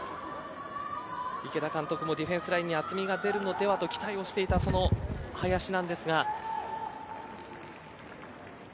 池田監督もディフェンスラインに厚みが出るのではと期待していた林なんですが。